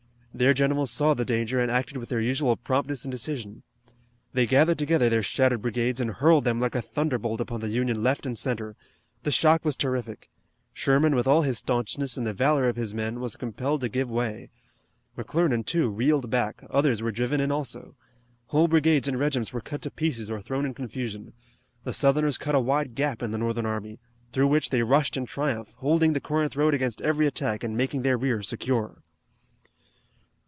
Their generals saw the danger and acted with their usual promptness and decision. They gathered together their shattered brigades and hurled them like a thunderbolt upon the Union left and center. The shock was terrific. Sherman, with all his staunchness and the valor of his men, was compelled to give way. McClernand, too, reeled back, others were driven in also. Whole brigades and regiments were cut to pieces or thrown in confusion. The Southerners cut a wide gap in the Northern army, through which they rushed in triumph, holding the Corinth road against every attack and making their rear secure.